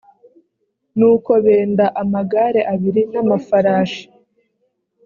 nuko benda amagare abiri n amafarashi